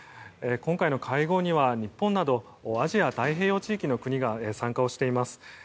今回の会合には日本などアジア太平洋地域の国が参加をしています。